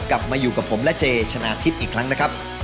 กลับมาอยู่กับผมและเจชนะทิพย์อีกครั้งนะครับ